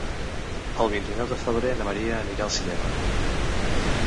El vint-i-nou de febrer na Maria anirà al cinema.